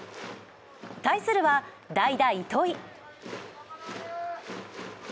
対するは代打・糸井。